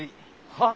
はっ？